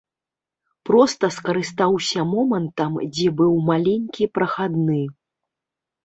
Проста скарыстаўся момантам, дзе быў маленькі прахадны.